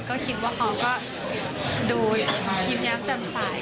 ก็คิดว่าเขาก็ดูหิ้มแย้มจำสาย